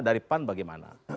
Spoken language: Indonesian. dari pan bagaimana